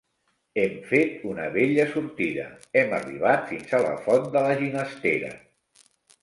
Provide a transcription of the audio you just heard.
Hem fet una bella sortida: hem arribat fins a la font de la Ginestera.